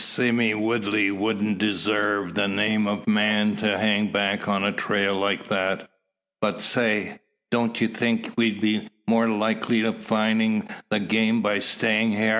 Sime Woodley wouldn't desarve the name o' man, to hang back on a trail like that. But, say! don't ye think we'd be more likely o' findin' the game by stayin' hyar?